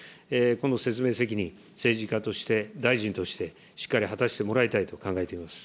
この説明責任、政治家として、大臣として、しっかり果たしてもらいたいと考えています。